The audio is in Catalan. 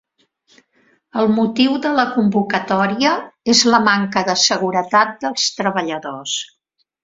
El motiu de la convocatòria és la manca de seguretat dels treballadors